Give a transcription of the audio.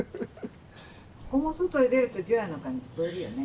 ここも外へ出ると除夜の鐘聞こえるよね。